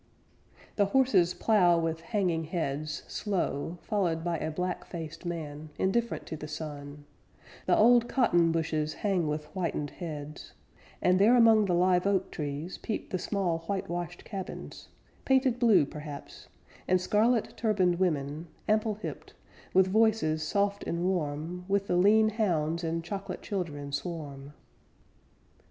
The horses plow with hanging heads, Slow, followed by a black faced man, Indifferent to the sun; The old cotton bushes hang with whitened heads; And there among the live oak trees, Peep the small whitewashed cabins, Painted blue, perhaps, and scarlet turbaned women, Ample hipped, with voices soft and warm With the lean hounds and chocolate children swarm.